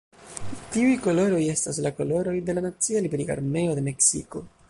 Tiuj koloroj estas la koloroj de la nacia liberiga armeo de Meksiko.